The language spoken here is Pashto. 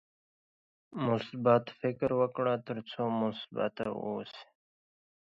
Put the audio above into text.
مثبت فکر وکړه ترڅو مثبت اوسې.